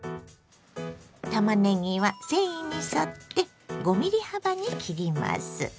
たまねぎは繊維に沿って５ｍｍ幅に切ります。